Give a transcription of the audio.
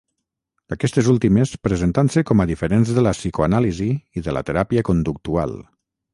Aquestes últimes presentant-se com a diferents de la psicoanàlisi i de la teràpia conductual.